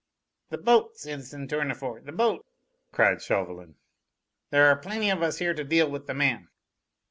"The boat, citizen Tournefort, the boat!" cried Chauvelin. "There are plenty of us here to deal with the man."